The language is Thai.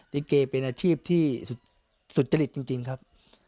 ลิเกเป็นอาชีพที่สุจริตจริงครับ